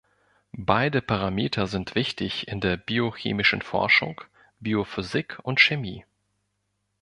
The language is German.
Beide Parameter sind wichtig in der biochemischen Forschung, Biophysik und Chemie.